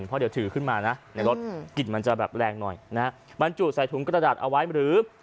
เพราะเดี๋ยวถือขึ้นมานะในรถกลิ่นมันจะแบบแรงหน่อยนะฮะบรรจุใส่ถุงกระดาษเอาไว้หรือ